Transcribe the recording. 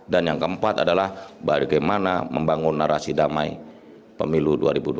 dan yang keempat adalah bagaimana membangun narasi damai pemilu dua ribu dua puluh empat